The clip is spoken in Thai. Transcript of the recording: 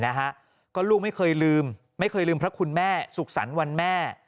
นะฮะก็ลูกไม่เคยลืมไม่เคยลืมพระคุณแม่สุขสรรค์วันแม่